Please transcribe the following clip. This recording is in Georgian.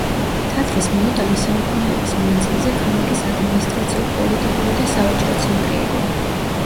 თათრის მოედანი საუკუნეების მანძილზე ქალაქის ადმინისტრაციულ-პოლიტიკური და სავაჭრო ცენტრი იყო.